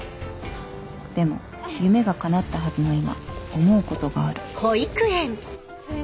でも夢がかなったはずの今思うことがある